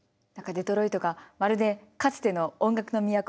何かデトロイトがまるでかつての音楽の都